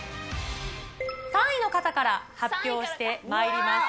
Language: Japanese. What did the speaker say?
３位の方から発表してまいります。